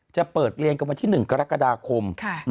จะเปิดเรียนกันวันที่๑กรกฎาคม